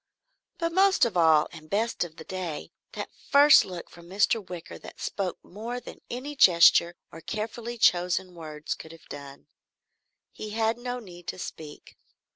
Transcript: But most of all and best of the day, that first look from Mr. Wicker that spoke more than any gesture or carefully chosen words could have done. He had no need to speak.